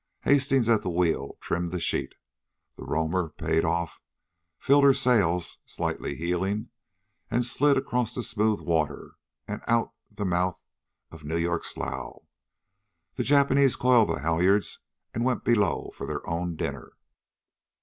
Hastings, at the wheel, trimmed the sheet. The Roamer paid off, filled her sails, slightly heeling, and slid across the smooth water and out the mouth of New York Slough. The Japanese coiled the halyards and went below for their own dinner.